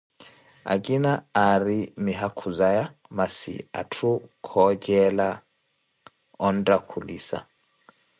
Akina aariina mihakhu zaya, masi, atthu khocela onttakhulisa.